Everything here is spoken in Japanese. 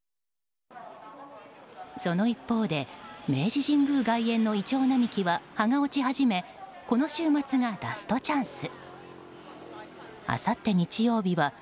その一方で明治神宮外苑のイチョウ並木は葉が落ち始めこの週末がラストチャンス。